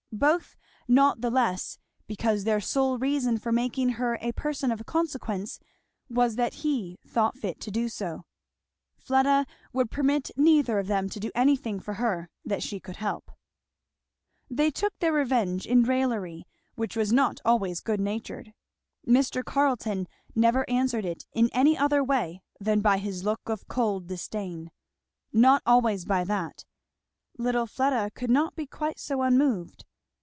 Both not the less, because their sole reason for making her a person of consequence was that he had thought fit to do so. Fleda would permit neither of them to do anything for her that she could help. They took their revenge in raillery, which was not always good natured. Mr. Carleton never answered it in any other way than by his look of cold disdain, not always by that; little Fleda could not be quite so unmoved.